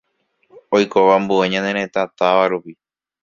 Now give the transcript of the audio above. oikóva ambue ñane retã táva rupi